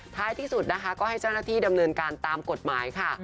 ท้ายที่สุดนะคะก็ให้เจ้าหน้าที่ดำเนินการตามกฎหมายค่ะ